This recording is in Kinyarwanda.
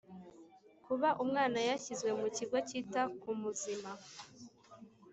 Kuba umwana yashyizwe mu kigo cyita kumuzima